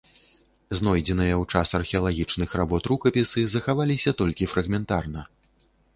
Знойдзеныя ў час археалагічных работ рукапісы захаваліся толькі фрагментарна.